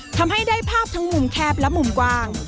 ทำให้ได้ภาพทั้งมุมแคบและมุมกว้าง